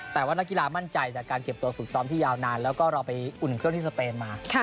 แต่ว่านักกีฬามั่นใจจากการเก็บตัวฝึกซ้อมที่ยาวนานแล้วก็เราไปอุ่นเครื่องที่สเปนมา